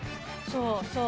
そうそう。